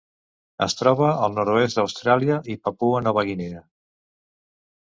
Es troba al nord-oest d'Austràlia i Papua Nova Guinea.